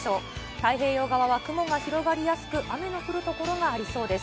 太平洋側は雲が広がりやすく、雨の降る所がありそうです。